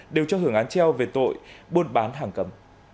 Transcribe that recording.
đều cho hưởng án treo về tội buôn bán hàng cầm